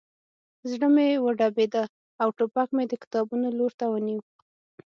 زړه مې وډبېده او ټوپک مې د کتابونو لور ته ونیو